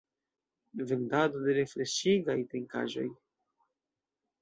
Vendado de refreŝigaj trinkaĵoj.